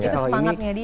itu semangatnya dia